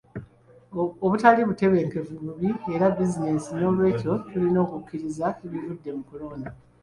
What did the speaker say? Obutali butebenkevu bubi eri bizinesi, n'olwekyo tulina okukkiriza ebivudde mu kulonda.